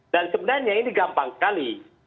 dan sebenarnya ini gampang sekali